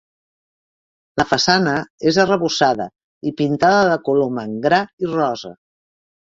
La façana és arrebossada i pintada de color mangra i rosa.